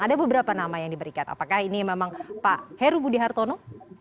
ada beberapa nama yang diberikan apakah ini memang pak heru budi hartono